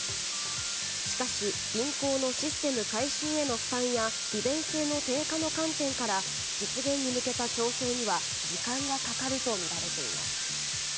しかし銀行のシステム改修への負担や利便性の低下の観点から実現に向けた調整には時間がかかるとみられています。